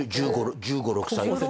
１５１６歳でしょ？